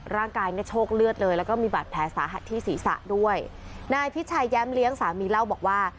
ร่างกายเนี่ยโชคเลือดเลยแล้วก็มีบาดแผลสาหัสที่ศีรษะด้วยนายพิชัยแย้มเลี้ยงสามีเล่าบอกว่า